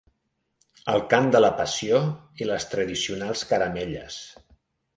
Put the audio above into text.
El Cant de la Passió i les tradicionals caramelles.